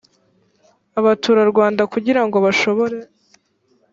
abaturarwanda kugira ngo bashobore